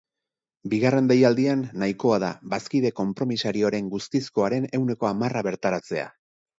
Bigarren deialdian, nahikoa da bazkide konpromisarioen guztizkoaren ehuneko hamarra bertaratzea.